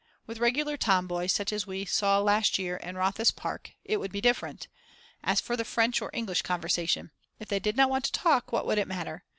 With regular tomboys, such as we saw last year in Rathaus Park, it would be different. As for the French or English conversation! If they did not want to talk what would it matter?